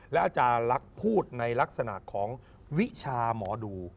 อาจารย์ลักษณ์พูดในลักษณะของวิชาหมอดู